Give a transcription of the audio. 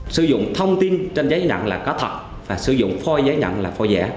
sử dụng thông tin trên giấy nhận là có thật và sử dụng phôi giấy nhận là phôi giả